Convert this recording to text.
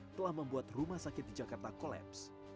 telah membuat rumah sakit di jakarta kolaps